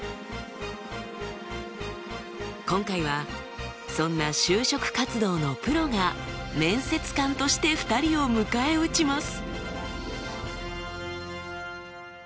今回はそんな就職活動のプロが面接官として２人を迎え撃ちます。